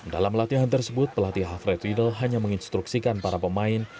dalam latihan tersebut pelatih alfred riedel hanya menginstruksikan para pemain